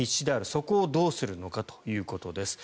そこをどうするのかということです。